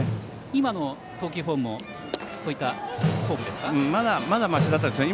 今の投球フォームもそういったフォームですか。